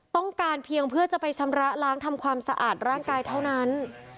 ต้องการเพียงเพื่อจะไปชำระล้างทำความสะอาดร่างกายเท่านั้น